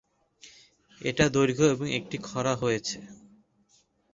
এটা দৈর্ঘ্য, এবং একটি খরা হয়েছে।